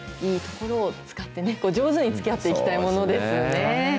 いいところを使ってね、上手につきあっていきたいものですよね。